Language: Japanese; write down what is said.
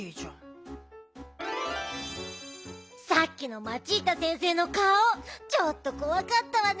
さっきのマチータ先生のかおちょっとこわかったわね。